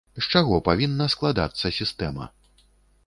З чаго павінна складацца сістэма?